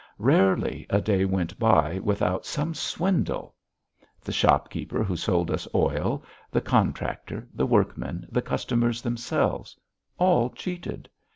Rarely a day went by without some swindle. The shopkeeper, who sold us oil, the contractor, the workmen, the customers themselves, all cheated.